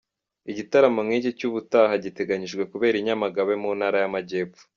Igitaramo nk’iki cy’ubutaha giteganyijwe kubera i Nyamagabe mu Ntara y’Amajyepfo.